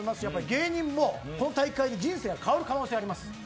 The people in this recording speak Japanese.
芸人もこの大会で人生が変わる可能性があります。